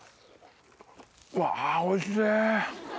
うわあおいしい！